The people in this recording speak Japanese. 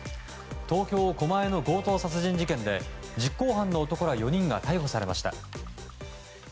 東京・狛江の強盗殺人事件で実行犯の男ら４人が逮捕されました。